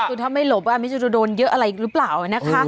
ก็ทำให้หลบว่ามันจะโดนเยอะอะไรอีกหรือเปล่านะคะ